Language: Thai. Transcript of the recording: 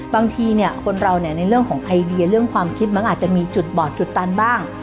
บางทีเนี่ยคนเราเนี่ยในเรื่องของไอเดียเรื่องความคิดมันอาจจะมีจุดบอดจุดตันบ้าง